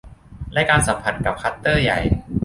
และการสัมผัสกับคลัสเตอร์ใหญ่